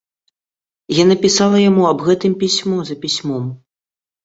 Яна пісала яму аб гэтым пісьмо за пісьмом.